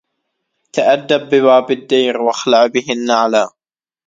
تأدب بباب الدير واخلع به النعلا